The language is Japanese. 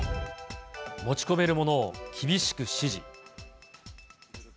持ち込めるものを厳しく指示。